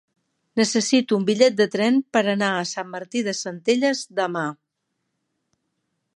Necessito un bitllet de tren per anar a Sant Martí de Centelles demà.